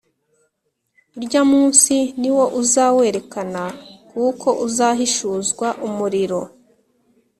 Urya munsi niwo uzawerekana, kuko uzahishuzwa umuriro,